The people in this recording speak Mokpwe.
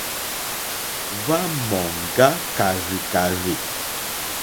Hwá mɔ̀ŋgá kàrzìkàrzì.